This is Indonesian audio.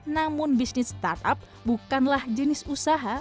namun bisnis startup bukanlah jenis startup yang terbaik